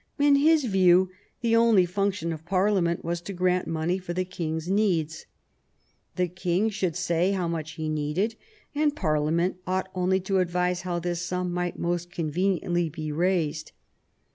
In his view the only function of Parliament was to grant money for the king's needs. The king should say how much he needed, and Parliament ought only to advise how this sum might most conveniently be raised.